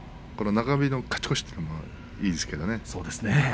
中日の勝ち越しというのもいいですけどね。